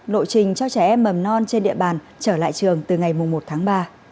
lộ trình cho trẻ em mầm non trên địa bàn trở lại trường từ ngày một tháng ba